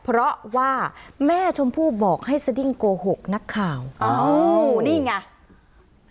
เพราะว่าแม่ชมพู่บอกให้สดิ้งโกหกนักข่าวอ้าวนี่ไง